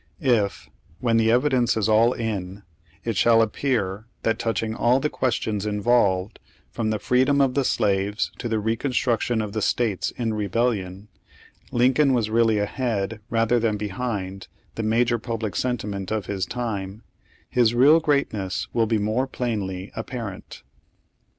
If, when the evidence is all in, it shall appear that touching Page Nine all the questions involved, from the freedom of the slaves to the reconstruction of the states in rebellion, Lincoln was really ahead, rather than behind, the major public sentiment of his time, his real greatness will be more plainly apparent.